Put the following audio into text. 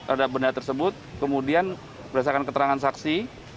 ada benda tersebut kemudian berdasarkan keterangan saksi